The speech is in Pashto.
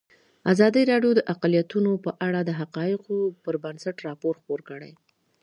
ازادي راډیو د اقلیتونه په اړه د حقایقو پر بنسټ راپور خپور کړی.